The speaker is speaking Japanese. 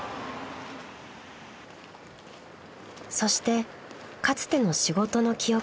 ［そしてかつての仕事の記憶も］